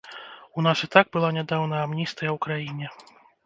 У нас і так была нядаўна амністыя ў краіне.